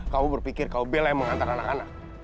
kamu berpikir kalau bella emang ngantar anak anak